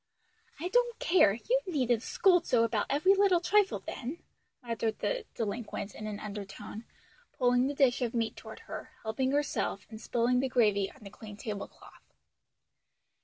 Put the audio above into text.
"I don't care; you needn't scold so about every little trifle then," muttered the delinquent in an undertone, pulling the dish of meat toward her, helping herself and spilling the gravy on the clean tablecloth.